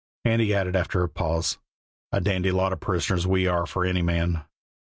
And he added after a pause: "A dandy lot of parishioners we are for any man.